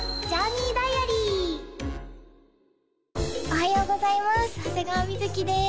おはようございます